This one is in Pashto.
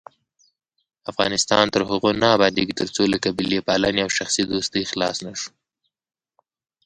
افغانستان تر هغو نه ابادیږي، ترڅو له قبیلې پالنې او شخصي دوستۍ خلاص نشو.